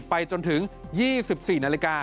ไปจนถึง๒๔นาฬิกา